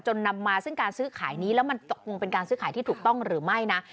นำมาซึ่งการซื้อขายนี้แล้วมันตกลงเป็นการซื้อขายที่ถูกต้องหรือไม่นะ